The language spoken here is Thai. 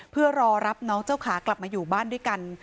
เพื่อรอรับน้องเจ้าขากลับมาอยู่บ้านด้วยกัน